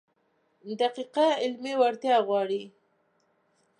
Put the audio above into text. دقیقه علمي وړتیا غواړي.